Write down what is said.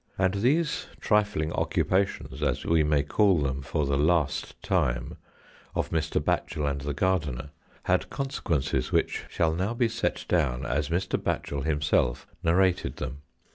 And these trifling occupations, as we may call them for the last time, of Mr. Batchel and the gardener, had consequences which shall now be set down as Mr. Batchel himself narrated them.